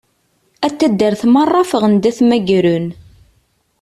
At taddart merra ffɣen-d ad t-mmagren.